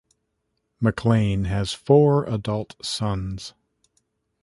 Maclean has four adult sons.